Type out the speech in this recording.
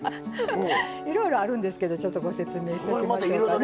いろいろあるんですけどちょっとご説明しときましょうかね。